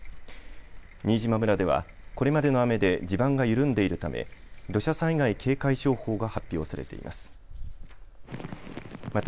新島村ではこれまでの雨で地盤が緩んでいるため土砂災害警戒情報が発表されています。